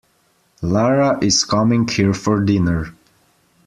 Lara is coming here for dinner.